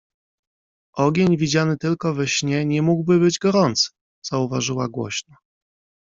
— Ogień widziany tylko we śnie nie mógłby być gorący! — zauważyła głośno.